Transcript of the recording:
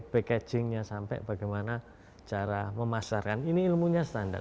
packagingnya sampai bagaimana cara memasarkan ini ilmunya standar